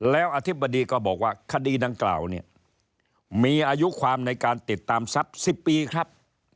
แล้วอธิบดีก็บอกว่าคดีดังกล่าวเนี่ยมีอายุความในการติดตามทรัพย์๑๐ปีครับ